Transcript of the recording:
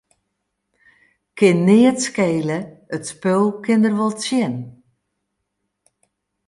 Kin neat skele, it spul kin der wol tsjin.